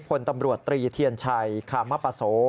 พลตำรวจตรีเทียนชัยคามปโส